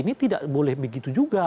ini tidak boleh begitu juga